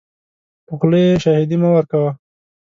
په خوله یې شاهدي مه ورکوه .